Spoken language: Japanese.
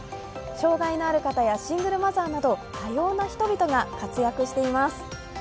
障害のある方やシングルマザーなど、多様な人々が活躍しています。